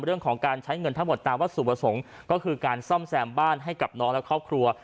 เรื่องของการใช้เงินทั้งหมดตามวัตถุประสงค์ก็คือการซ่อมแซมบ้านให้กับน้องและครอบครัว